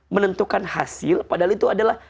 menentukan hasil padahal itu adalah